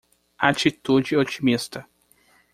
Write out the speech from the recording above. Atitude otimista